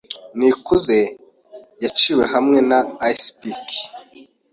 Nikuze yiciwe hamwe na icepick.